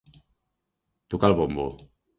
Tocar el bombo.